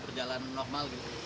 perjalanan normal gitu